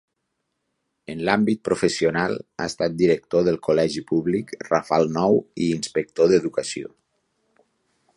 En l'àmbit professional, ha estat director del col·legi públic Rafal Nou i inspector d'educació.